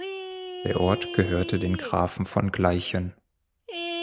Der Ort gehörte den Grafen von Gleichen.